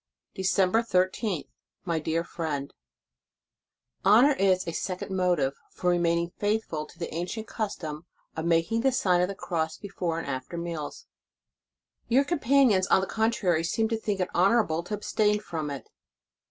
December 13th. MY DEAR FRIEND: Honor is a second motive for remaining faithful to the ancient custom of making the sien of the Cross before and after meals. o Your companions, on the contrary, seem to think it honorable to abstain from it.